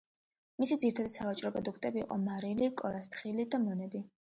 მისი ძირითადი სავაჭრო პროდუქტები იყო: მარილი, კოლას თხილი და მონები.